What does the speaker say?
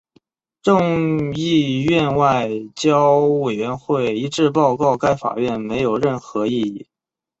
众议院外交委员会一致报告该法案没有任何意义。